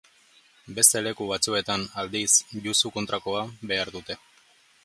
Beste leku batzuetan, aldiz, justu kontrakoa behar dute.